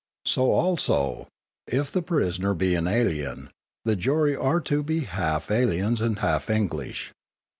So also, if the prisoner be an alien, the jury are to be half aliens and half English.